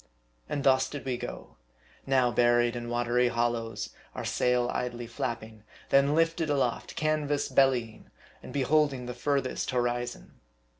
And thus did we go. Now buried in watery hollows our sail idly flapping ; then lifted aloft canvas bellying ; and beholding the furthest horizon.